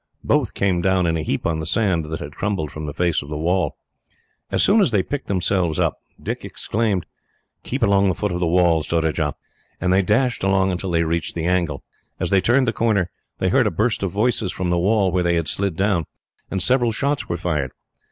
Both came down in a heap on the sand that had crumbled from the face of the wall. As soon as they picked themselves up, Dick exclaimed, "Keep along the foot of the wall, Surajah," and they dashed along until they reached the angle. As they turned the corner, they heard a burst of voices from the wall where they had slid down, and several shots were fired.